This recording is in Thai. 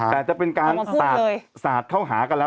แต่จะเป็นการสาดเข้าหากันแล้ว